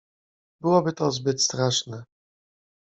"Byłoby to zbyt straszne!"